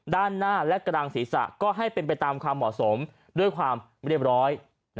ด้านหน้าและกลางศีรษะก็ให้เป็นไปตามความเหมาะสมด้วยความเรียบร้อย